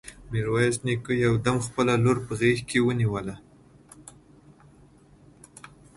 ميرويس نيکه يو دم خپله لور په غېږ کې ونيوله.